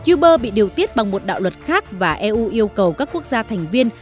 uber bị điều tiết bằng một đạo luật khác và eu yêu cầu các quốc gia thành viên